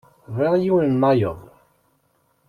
Bɣiɣ yiwen-nnayeḍ.